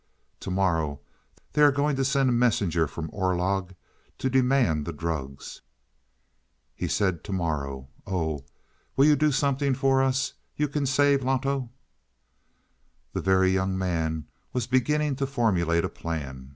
"To morrow they are going to send a messenger from Orlog to demand the drugs?" "He said to morrow. Oh, you will do something for us? You can save Loto?" The Very Young Man was beginning to formulate a plan.